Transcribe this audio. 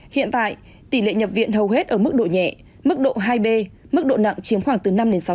hiện tại tỷ lệ nhập viện hầu hết ở mức độ nhẹ mức độ hai b mức độ nặng chiếm khoảng từ năm sáu